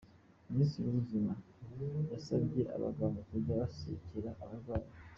Minisitiri w’Ubuzima yasabye abaganga kujya basekera abarwayi